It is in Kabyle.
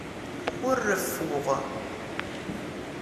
Ur reffuɣ.